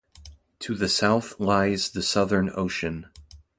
To the south lies the Southern Ocean.